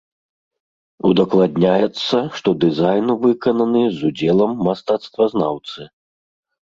Удакладняецца, што дызайн выкананы з удзелам мастацтвазнаўцы.